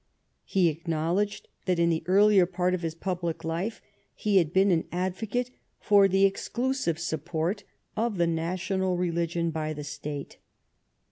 He acknowledged that in the earlier part of his public life he had been an advocate for the exclusive support of the national religion by the State.